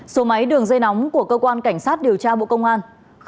số máy đường dây nóng của cơ quan cảnh sát điều tra bộ công an